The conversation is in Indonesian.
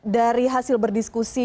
dari hasil berdiskusi